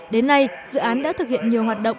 dự án đã thực hiện nhiều hoạt động